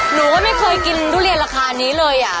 หนูก็ไม่เคยกินทุเรียนราคานี้เลย